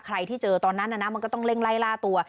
ใครที่เจอตอนนั้นมันก็ต้องเร่งไล่ล่าตัว